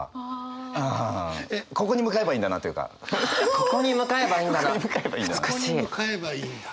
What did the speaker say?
ここに向かえばいいんだ。